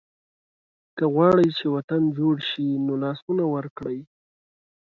که غواړئ چې وطن جوړ شي نو لاسونه ورکړئ.